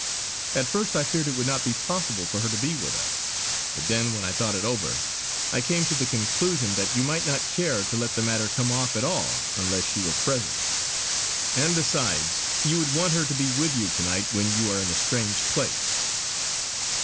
At first I feared it would not be possible for her to be with us; but then when I thought it over, I came to the conclusion that you might not care to let the matter come off at all unless she were present. And besides you would want her to be with you to night when you are in a strange place."